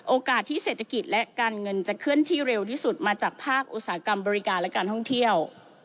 โอกาสที่เศรษฐกิจและการเงินจะเคลื่อนที่เร็วที่สุดมาจากภาคอุตสาหกรรมบริการและการท่องเที่ยว